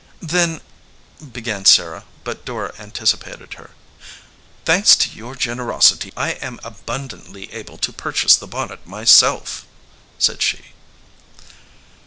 "Then " began Sarah, but Dora anticipated her. 86 VALUE RECEIVED "Thanks to your generosity, I am abund antly able to purchase the bonnet myself," said she.